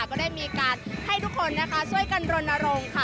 ก็ได้มีการให้ทุกคนนะคะช่วยกันรณรงค์ค่ะ